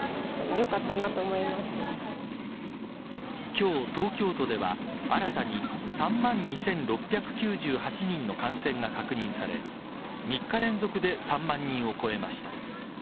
今日、東京都では新たに３万２６９８人の感染が確認され３日連続で３万人を超えました。